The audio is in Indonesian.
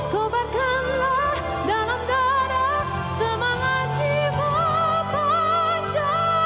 kau berkanlah dalam darah semangat jiwa pancasila